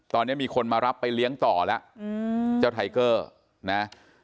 ตอนนี้มีคนมารับไปเลี้ยงต่อแล้วเจ้าไทเกอร์นะ